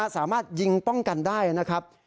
สามารถยิงป้องกันได้นะครับ